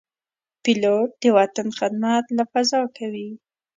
پیلوټ د وطن خدمت له فضا کوي.